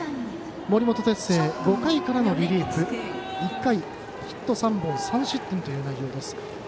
森本哲星、５回からのリリーフ１回ヒット３本３失点という内容。